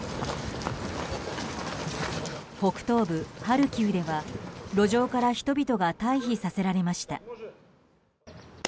北東部ハルキウでは路上から人々が退避させられました。